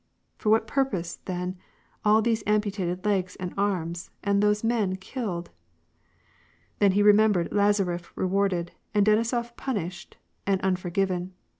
For what purpose, then, all those amputated legs and arms, and those men killed ? Then he re membered Lazaref rewarded and Denisof punished and unfor given.